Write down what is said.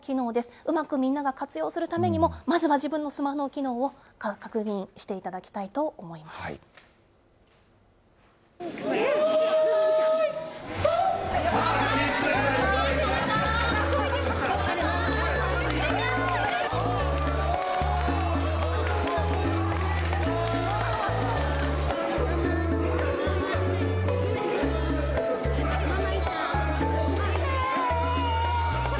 うまくみんなが活用するためにも、まずは自分のスマホの機能を確認していただきたいよーいどん。